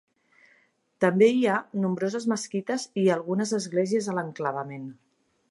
També hi ha nombroses mesquites i algunes esglésies a l'enclavament.